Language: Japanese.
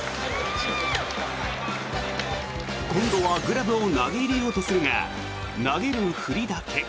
今度はグラブを投げ入れようとするが投げるふりだけ。